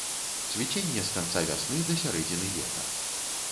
Цвіценне з канца вясны да сярэдзіны лета.